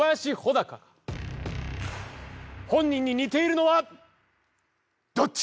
高か本人に似ているのはどっち？